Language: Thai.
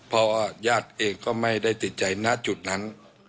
เพราะว่าญาติเองก็ไม่ได้ติดใจณจุดนั้น